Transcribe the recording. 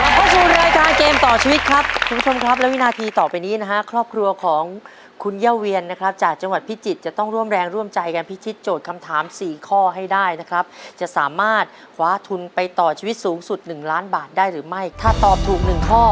ต่อไปนี้นะครับครอบครัวของคุณเย้าเวียนนะครับจากจังหวัดพิจิตรจะต้องร่วมแรงร่วมใจกันพิจิตรโจทย์คำถาม๔ข้อให้ได้นะครับจะสามารถขวาทุนไปต่อชีวิตสูงสุด๑ล้านบาทได้หรือไม่ถ้าตอบถูก๑ข้อ